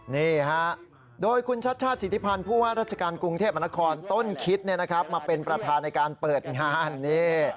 นี่ฮะโดยคุณชัชชาติสิทธิพันธ์ผู้ว่าราชการกรุงเทพมนครต้นคิดมาเป็นประธานในการเปิดงานนี่